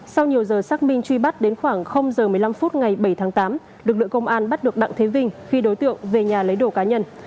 sau nhiều giờ xác minh truy bắt đến khoảng h một mươi năm phút ngày bảy tháng tám lực lượng công an bắt được đặng thế vinh khi đối tượng về nhà lấy đồ cá nhân